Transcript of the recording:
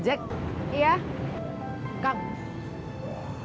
gak target dia hut air itu